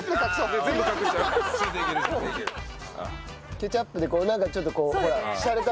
ケチャップでなんかちょっとこうしゃれた感じ。